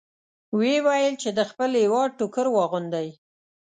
ویې ویل چې د خپل هېواد ټوکر واغوندئ.